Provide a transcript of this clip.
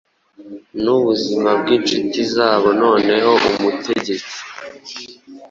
Nubuzima bwinshuti zabo Noneho umutegetsi